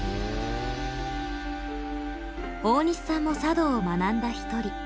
大西さんも茶道を学んだひとり。